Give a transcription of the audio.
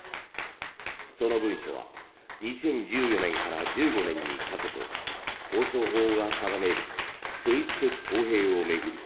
その文書は２０１４年から１５年にかけて放送法が定める政治的公平を巡り